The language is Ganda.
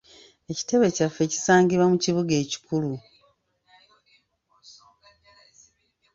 Ekitebe kyaffe kisangibwa mu kibuga ekikulu.